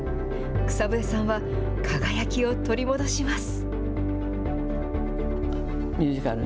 草笛さんは、輝きを取り戻します。